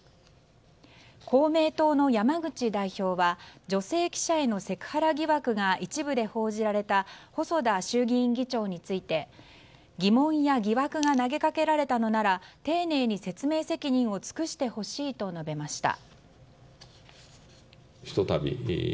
公明党の山口代表は女性記者へのセクハラ疑惑が一部で報じられた細田衆議院議長について疑問や疑惑が投げかけられたのなら丁寧に説明責任を尽くしてほしいと述べました。